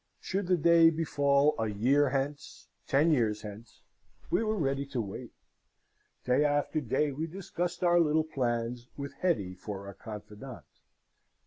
Should the day befall a year hence ten years hence we were ready to wait. Day after day we discussed our little plans, with Hetty for our confidante.